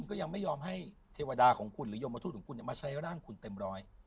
ก็ยังไม่ยอมให้เทวดาของคุณหรือยมทูตของคุณมาใช้ร่างคุณเต็มร้อย